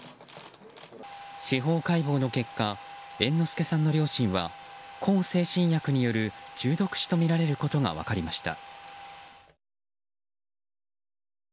司法解剖の結果猿之助さんの両親は向精神薬による中毒死とみられることが分かりました。